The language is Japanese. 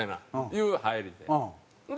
いう入りで。